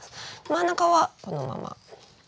真ん中はこのまま。